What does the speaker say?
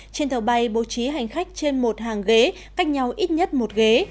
trên tàu bay bố trí hành khách trên một hàng ghế cách nhau ít nhất một ghế